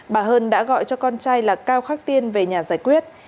bà hơn đã gọi cho con trai là cao khắc tiên về nhà giải quyết